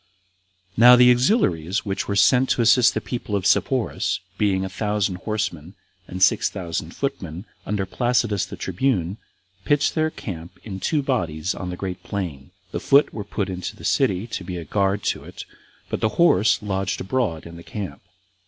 1. Now the auxiliaries which were sent to assist the people of Sepphoris, being a thousand horsemen, and six thousand footmen, under Placidus the tribune, pitched their camp in two bodies in the great plain. The foot were put into the city to be a guard to it, but the horse lodged abroad in the camp.